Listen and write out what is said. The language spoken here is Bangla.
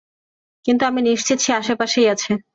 কিন্তু আমি নিশ্চিত সে আশেপাশেই আছে!